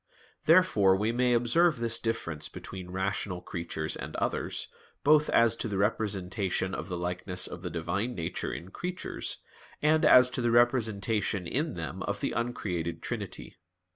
Therefore we may observe this difference between rational creatures and others, both as to the representation of the likeness of the Divine Nature in creatures, and as to the representation in them of the uncreated Trinity.